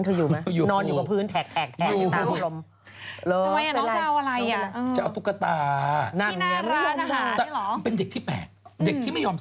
ต้องพูดแบบพี่มาส